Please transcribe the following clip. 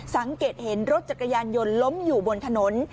สังเกตเห็นรถจักรยานยนต์ล้มอยู่บนถนน